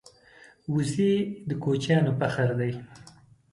وزې د کوچیانو فخر دی